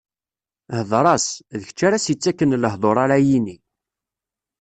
Hdeṛ-as, d kečč ara s-ittaken lehduṛ ara yini.